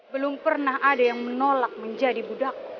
belum pernah ada yang menolak menjadi budak